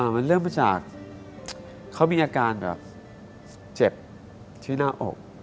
มันเริ่มมาจากเขามีอาการแบบเจ็บที่หน้าอก